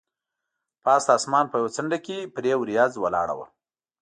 پاس د اسمان په یوه څنډه کې پرې وریځ ولاړه وه.